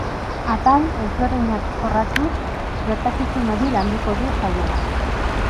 Atal ezberdinak jorratuz, gertakizun hori landuko du saioak.